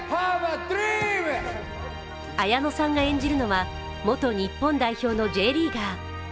綾野さんが演じるのは元日本代表のＪリーガー。